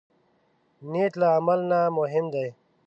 نیت له عمل نه مهم دی.